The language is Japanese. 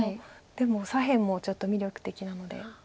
でも左辺もちょっと魅力的なので。